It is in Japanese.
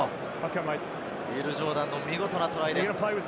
ウィル・ジョーダンの見事なトライです。